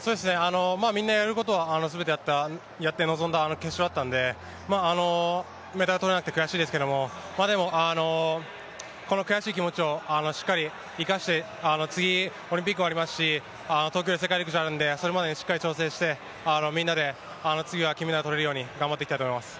みんなやることは全てやって臨んだ決勝だったんでメダルとれなくて悔しいですけれどもこの悔しい気持ちをしっかり生かして次、オリンピックもありますし東京世界陸上もあるのでそれまでにしっかり調整してみんなで次は金メダル取れるように頑張っていきたいと思います。